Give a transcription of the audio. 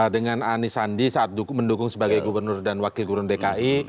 dengan ani sandi saat mendukung sebagai gubernur dan wakil gubernur dki